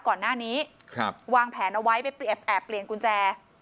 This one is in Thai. ก่อนหน้านี้วางแผนเอาไว้ไปแอบเปลี่ยนกุญแจ